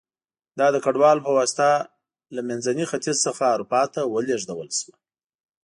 دا د کډوالو په واسطه له منځني ختیځ څخه اروپا ته ولېږدول شوه